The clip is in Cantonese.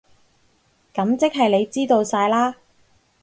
噉即係你知道晒喇？